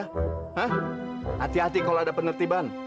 hah hati hati kalau ada penertiban